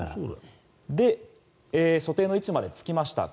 で、所定の位置までつきました。